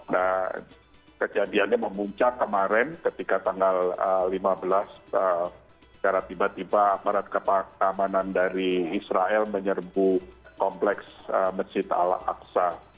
nah kejadiannya memuncak kemarin ketika tanggal lima belas secara tiba tiba aparat keamanan dari israel menyerbu kompleks masjid al aqsa